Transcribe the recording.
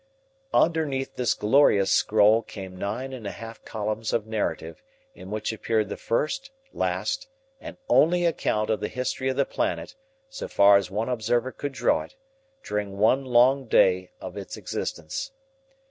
Underneath this glorious scroll came nine and a half columns of narrative, in which appeared the first, last, and only account of the history of the planet, so far as one observer could draw it, during one long day of its existence.